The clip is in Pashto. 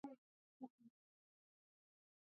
د قرنطین سند له کوم ځای واخلم؟